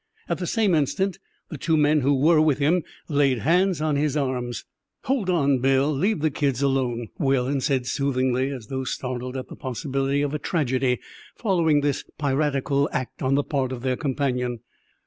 At the same instant the two men who were with him laid hands on his arms. "Hold on, Bill, leave the kids alone!" Whalen said soothingly, as though startled at the possibility of a tragedy following this piratical act on the part of their companion.